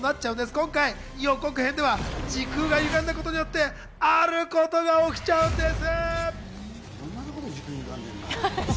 今回、予告編では時空がゆがんだことによって、あることが起きちゃうんです！